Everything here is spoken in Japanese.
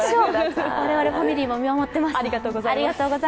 我々ファミリーも見守っています。